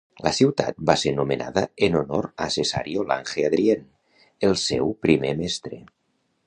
La ciutat va ser nomenada en honor a Cesario Lange Adrien, el seu primer mestre.